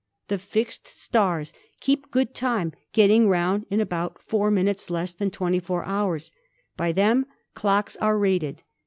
"The fixed stars keep good time, getting round in about 4 minutes less than 24 hours. By them clocks are rated.